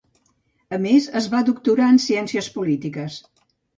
A més es va doctorar en ciències polítiques.